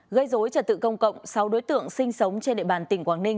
gây dối trật tự công cộng sáu đối tượng sinh sống trên địa bàn tỉnh quảng ninh